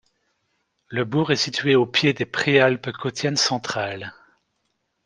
Le bourg est situé au pied des Préalpes Cottiennes centrales.